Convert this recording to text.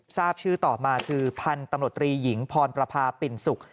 ทราบชื่อต่อมาคือพันธุ์ตำรวจตรีหญิงพรประพาปิ่นสุข